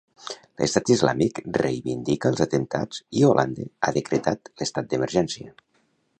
L'Estat Islàmic reivindica els atemptats i Hollande ha decretat l'estat d'emergència.